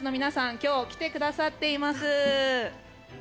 今日、来てくださっています。